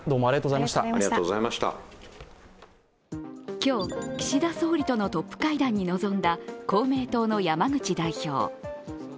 今日、岸田総理とのトップ会談に臨んだ公明党の山口代表。